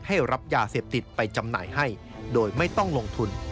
ให้รับยาเสพติดไปจำหน่ายให้โดยไม่ต้องลงทุน